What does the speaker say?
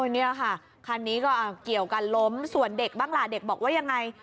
นี่ค่ะคันนี้ก็เกี่ยวกันล้มส่วนเด็กบ้างล่ะเด็กบอกว่ายังไง